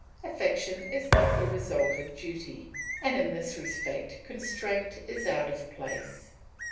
Affection is not the result of duty, and in this respect constraint is out of place.